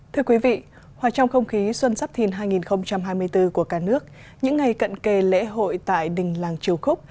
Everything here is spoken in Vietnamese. thưa quý vị hòa trong không khí xuân giáp thìn hai nghìn hai mươi bốn của cả nước những ngày cận kề lễ hội tại đình làng triều khúc